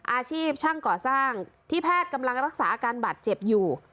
อาชีพช่างก่อสร้างที่แพทย์กำลังรักษาอาการบาดเจ็บอยู่